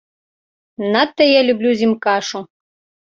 Надта я люблю з ім кашу.